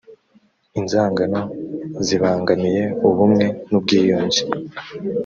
inzangano zibangamiye ubumwe n’ubwiyunge